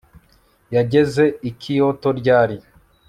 Yageze i Kyoto ryari